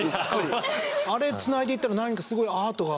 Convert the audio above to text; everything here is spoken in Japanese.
あれつないでいったら何かすごいアートが。